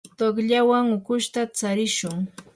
tuqllawan ukushuta tsarishun.